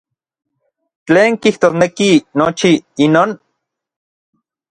¿Tlen kijtosneki nochi inon?